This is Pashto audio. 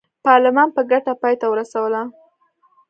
پارلمان په ګټه پای ته ورسوله.